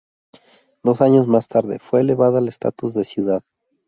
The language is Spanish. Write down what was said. Dos años más tarde, fue elevada al estatus de ciudad.